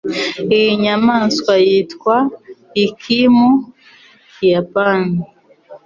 Iyi nyamaswa yitwa iki mu Kiyapani?